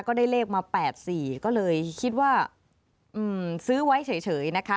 ก็ได้เลขมา๘๔ก็เลยคิดว่าซื้อไว้เฉยนะคะ